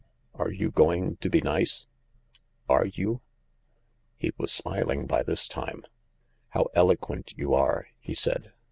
Are you going to be nice ? Are you ?" He was smiling by this time. " How eloquent you are!" he said.